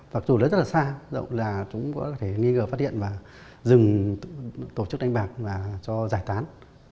mặc dù là rất là xa rộng là chúng có thể nghi ngờ phát hiện và dừng tổ chức đánh bạc và cho giải tán